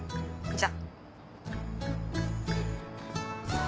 じゃ。